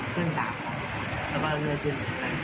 ขึ้น๓แล้วก็มือขึ้น